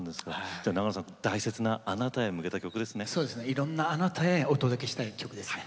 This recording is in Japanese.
いろんな「あなた」へお届けしたい曲ですね。